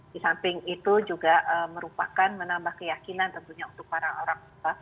di samping itu juga merupakan menambah keyakinan tentunya untuk para orang